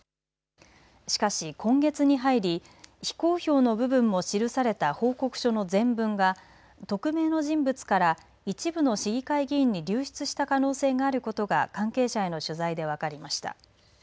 しかし今月に入り非公表の部分も記された報告書の全文が匿名の人物から一部の市議会議員に流出した可能性があることが関係者への取材で分かりました。